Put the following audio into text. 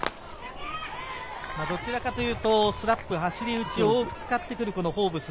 どちらかというとスラップ、走り打ちを多く使ってくるフォーブス。